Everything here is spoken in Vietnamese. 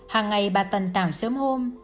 hàng ngày bà tân tàm sớm hôm